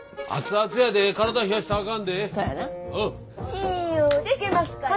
信用でけますかいな。